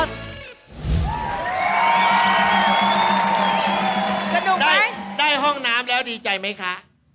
สนุกได้ห้องน้ำแล้วดีใจไหมคะ